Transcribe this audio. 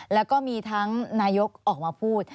แล้วก็มีทั้งนายกออกมาพูด